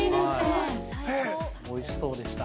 おいしそうでしたね。